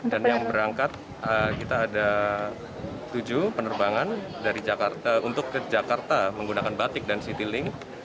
dan yang berangkat kita ada tujuh penerbangan untuk ke jakarta menggunakan batik dan citilink